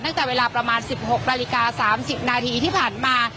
ตั้งแต่เวลาประมาณ๑๖นาฬิกา๓๐นาทีที่ผ่านมา